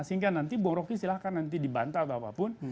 sehingga nanti bung roky silahkan dibantah atau apapun